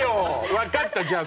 分かったじゃあ